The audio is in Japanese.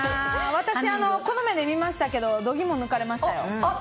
私、この目で見ましたけど度肝を抜かれましたよ。